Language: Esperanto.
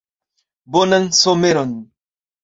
Bonan someron!